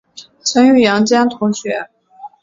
曾与杨坚同学。